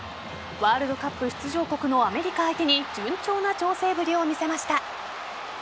ワールドカップ出場国のアメリカ相手に順調な調整ぶりを見せました。